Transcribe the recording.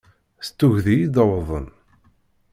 S tuggdi id-wwḍen.